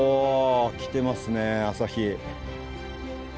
来てますね朝日。